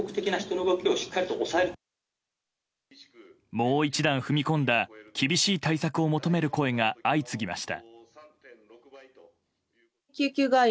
もう一段踏み込んだ厳しい対策を求める声が相次ぎました。